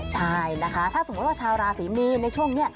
ใช่นะคะถ้าสมมุติว่าชาวราศีมีนในช่วงนี้